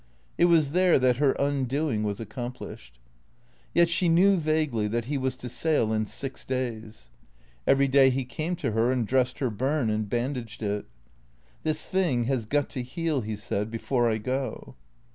It was there that her undoing was accomplished. Yet she knew vaguely that he was to sail in six days. Every day he came to her and dressed her burn and bandaged it. " This thing has got to heal," he said, " before I go."